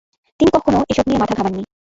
তিনি কখনো এসব নিয়ে মাথা ঘামাননি।